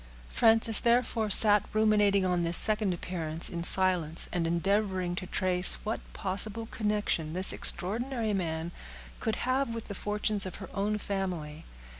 Frances, therefore, sat ruminating on this second appearance in silence, and endeavoring to trace what possible connection this extraordinary man could have with the fortunes of her own family.